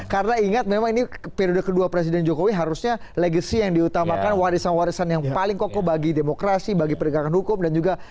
karena ingat memang ini periode kedua presiden jokowi harusnya legacy yang diutamakan warisan warisan yang paling koko bagi demokrasi bagi peringkatan hukum dan juga perusahaan